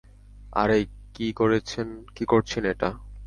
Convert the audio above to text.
আরে, কী করছেন এটা?